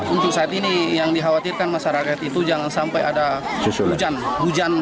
untuk saat ini yang dikhawatirkan masyarakat itu jangan sampai ada hujan